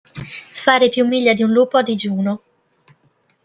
Fare più miglia di un lupo a digiuno.